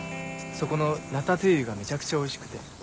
そこのラタトゥイユがめちゃくちゃおいしくて。